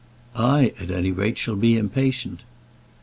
"I, at any rate, shall be impatient."